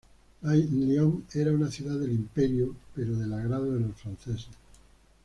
Lyon era una ciudad del imperio pero del agrado de los franceses.